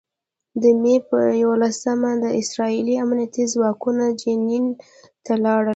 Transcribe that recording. د مې په یوولسمه اسراييلي امنيتي ځواکونه جنین ته لاړل.